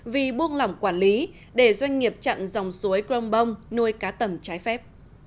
vì buông lỏng quản lý để doanh nghiệp chặn dòng suối crongbong nuôi cá tầm trái phép